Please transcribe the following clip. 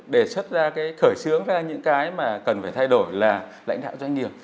đề xuất ra cái khởi xướng ra những cái mà cần phải thay đổi là lãnh đạo doanh nghiệp